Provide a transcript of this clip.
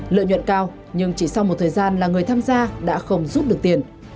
lợi nhuận cao nhưng chỉ sau một thời gian là người tham gia đã không rút được tiền